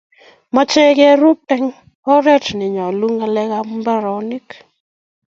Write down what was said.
mechei kerub eng' oret ne nyolu ng'alekab mbarenik